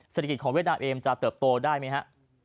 เศรษฐกิจของเวียดนามเอมจะเติบโตได้ไหมฮะ